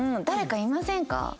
誰かいませんか？